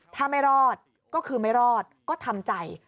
ถ้าไม่รอดก็คือไม่รอดก็ทำใจ